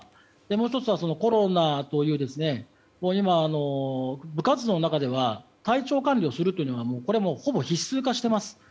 もう１つは、コロナという部活動の中では体調管理をするというのはほぼ必須化しています。